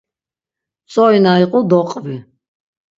Tzori na iqu doqvi.